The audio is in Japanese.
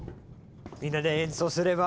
みんなで演奏すれば。